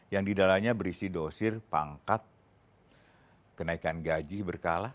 yang didalanya berisi dosir pangkat kenaikan gaji berkala